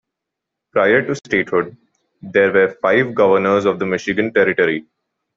Prior to statehood, there were five governors of the Michigan Territory.